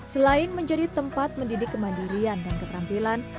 selain menjadi tempat mendidik kemandirian dan keterampilan